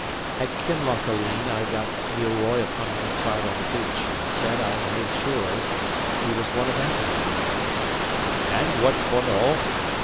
At Kinlochaline I got Neil Roy upon one side on the beach, and said I made sure he was one of Appin's men. "And what for no?"